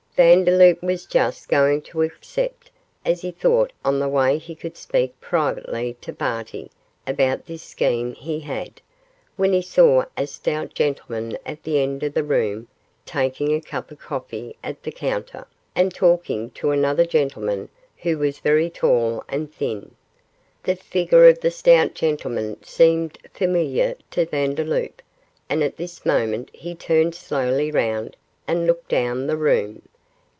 Vandeloup was just going to accept, as he thought on the way he could speak privately to Barty about this scheme he had, when he saw a stout gentleman at the end of the room taking a cup of coffee at the counter, and talking to another gentleman who was very tall and thin. The figure of the stout gentleman seemed familiar to Vandeloup, and at this moment he turned slowly round and looked down the room.